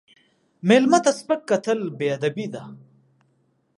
مېلمه ته سپک کتل بې ادبي ده.